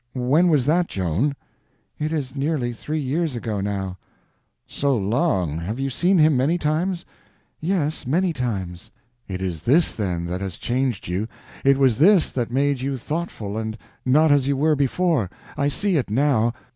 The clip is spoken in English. "When was that, Joan?" "It is nearly three years ago now." "So long? Have you seen him many times?" "Yes, many times." "It is this, then, that has changed you; it was this that made you thoughtful and not as you were before. I see it now.